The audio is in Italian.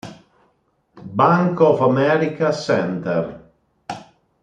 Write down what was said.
Bank of America Center